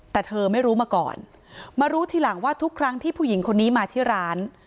แต่เธอไม่รู้มาก่อนมารู้ทีหลังว่าทุกครั้งที่ผู้หญิงคนนี้มาที่ร้าน